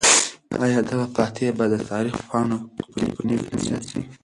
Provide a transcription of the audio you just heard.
آیا دغه فاتح به د تاریخ په پاڼو کې په نېک نوم یاد شي؟